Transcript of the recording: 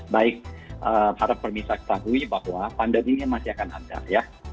baik para pemirsa ketahui bahwa pandemi ini masih akan ada